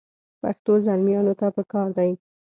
پښتنو زلمیانو ته پکار دي.